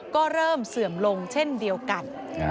ก็เริ่มเสื่อมลงเช่นเดียวกัน